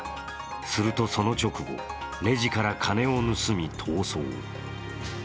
するとその直後、レジから金を盗み逃走。